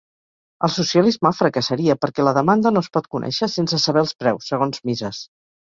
El socialisme fracassaria perquè la demanda no es pot conèixer sense saber els preus, segons Mises.